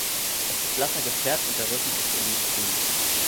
Es ist blasser gefärbt und der Rücken ist olivgrün.